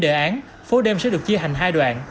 từ trên đề án phố đêm sẽ được chia hành hai đoạn